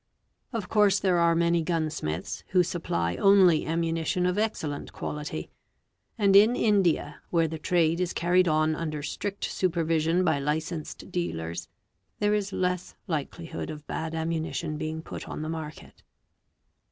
Of course there are many gunsmiths who supply only ammunition of excellent quality; and in India, where the trade is carried on under strict ::§ 4 : s i 4 : supervision by licensed dealers, there is less hkelihood of bad ammunition being put on the market.